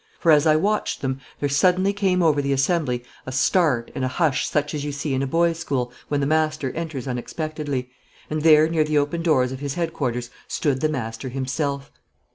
For, as I watched them, there suddenly came over the assembly a start and hush such as you see in a boys' school when the master enters unexpectedly, and there near the open doors of his headquarters stood the master himself.